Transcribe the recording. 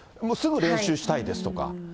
もうすぐ練習したいですとか。